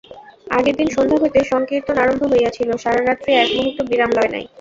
আগের দিন সন্ধ্যা হইতে সংকীর্তন আরম্ভ হইয়াছিল, সারারাত্রি একমুহূর্ত বিরাম হয় নাই।